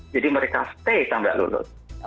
jadi mereka stay sama lulut